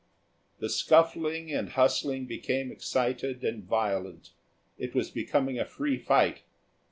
The scuffling and hustling became excited and violent. It was becoming a free fight.